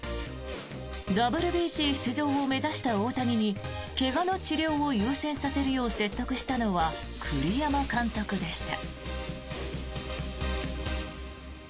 ＷＢＣ出場を目指した大谷に怪我の治療を優先させるよう説得したのは栗山監督でした。